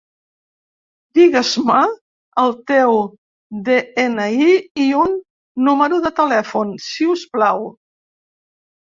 Digues-me el teu de-ena-i i un número de telèfon, si us plau.